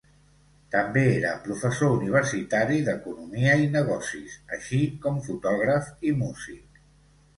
També era professor universitari d'economia i negocis així com fotògraf i músic.